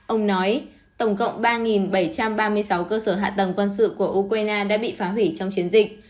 ông nói tổng cộng ba bảy trăm ba mươi sáu cơ sở hạ tầng quân sự của ukraine đã bị phá hủy trong chiến dịch